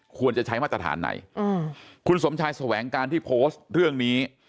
ควรจะใช้มาตรฐานไหนอืมคุณสมชายแสวงการที่โพสต์เรื่องนี้